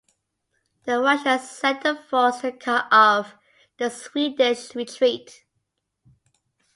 The Russians sent a force to cut off the Swedish retreat.